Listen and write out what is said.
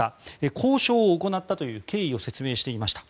交渉を行ったという経緯を説明していました。